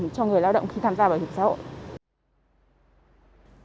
cho người lao động khi tham gia bảo hiểm xã hội